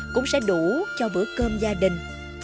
cũng sẽ đủ cho bữa cơm gia đình